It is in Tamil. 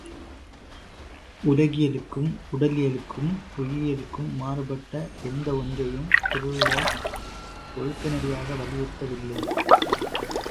உலகியலுக்கும், உடலியலுக்கும், உயிரியலுக்கும், மாறுபட்ட எந்த ஒன்றையும் திருவள்ளுவர் ஒழுக்க நெறியாக வலியுறுத்தவில்லை.